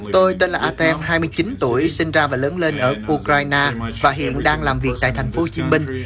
tôi tên là atm hai mươi chín tuổi sinh ra và lớn lên ở ukraine và hiện đang làm việc tại thành phố hồ chí minh